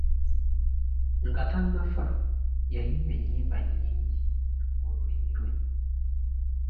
Nga tannafa yayimba ennyimba nnyingi mu lulimi lwe.